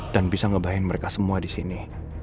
dan bisa ngebahayain mereka semua di sini